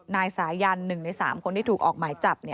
นายสายัน๑ใน๓คนที่ถูกออกหมายจับ